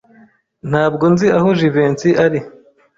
Ntabwo nzi aho Jivency ari.